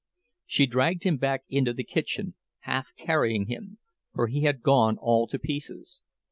She dragged him back into the kitchen, half carrying him, for he had gone all to pieces.